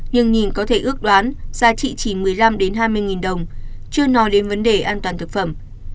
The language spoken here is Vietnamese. nhưng nhìn có thể ước đoán giá trị chỉ một mươi năm hai mươi đồng chưa nói đến vấn đề an toàn thực phẩm